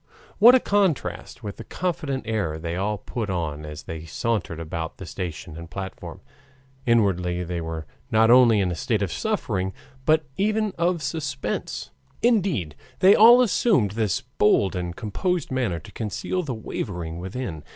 What a contrast with the confident air they all put on as they sauntered about the station and platform! Inwardly they were not only in a state of suffering but even of suspense. Indeed they only assumed this bold and composed manner to conceal the wavering within.